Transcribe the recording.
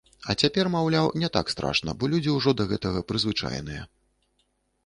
А цяпер, маўляў, не так страшна, бо людзі ўжо да гэтага прызвычаеныя.